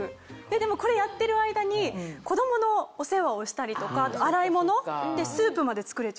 これやってる間に子供のお世話をしたりとかあと洗い物でスープまで作れちゃって。